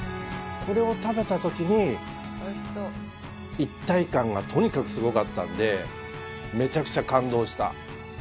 これを食べた時に一体感がとにかくすごかったんでめちゃくちゃ感動した。